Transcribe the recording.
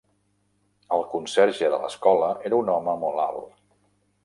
El conserge de l'escola era un home molt alt